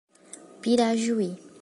Pirajuí